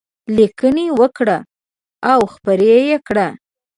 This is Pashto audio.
لیکنې وکړه او خپرې یې کړه.